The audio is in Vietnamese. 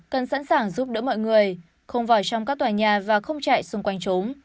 cần sẵn sàng giúp đỡ mọi người không vào trong các tòa nhà và không chạy xung quanh chúng